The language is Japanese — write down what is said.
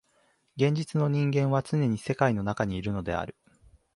現実の人間はつねに世界の中にいるのである。